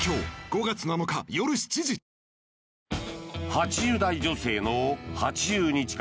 ８０代女性の８０日間